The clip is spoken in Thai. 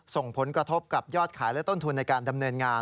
ส่งผลกระทบกับยอดขายและต้นทุนในการดำเนินงาน